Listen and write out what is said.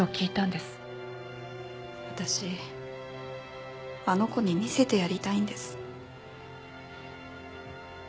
私あの子に見せてやりたいんです。